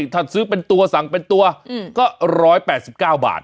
ถ้าซื้อเป็นตัวสั่งเป็นตัวก็๑๘๙บาท